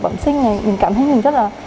mình cảm thấy mình rất là